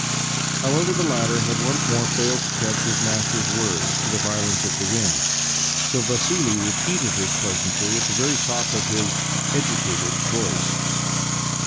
However, the latter had once more failed to catch his master's words for the violence of the wind, so Vassili repeated his pleasantry at the very top of his " educated " voice.